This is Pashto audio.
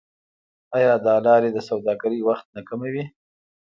آیا دا لارې د سوداګرۍ وخت نه کموي؟